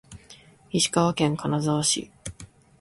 石川県金沢市